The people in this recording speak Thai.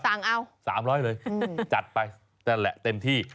สั่งเอาสามร้อยเลยจัดไปนั่นแหละเต็มที่